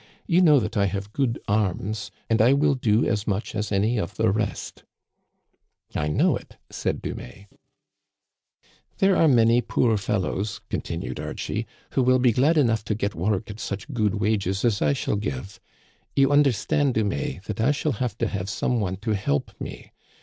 You know that I have good arms; and I will do as much as any of the rest." " I know it," said Dumais. There are many poor fellows," continued Archie, " who will be glad enough to get work at such good wages as I shall give. You understand, Dumais, that I shall have to have some one to help me.